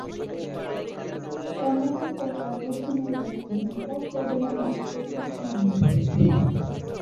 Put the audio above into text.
কর্ণাটক সরকার ভবনের দক্ষিণে বিকাশ সৌধ নামে একটি প্রতিলিপি নির্মাণ করেছে।